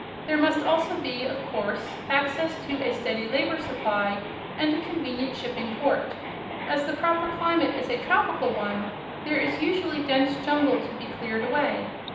There must also be, of course, access to a steady labor supply and a convenient shipping port. As the proper climate is a tropical one, there is usually dense jungle to be cleared away.